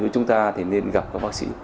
chúng ta nên gặp các bác sĩ